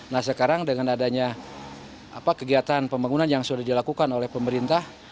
nah sekarang dengan adanya kegiatan pembangunan yang sudah dilakukan oleh pemerintah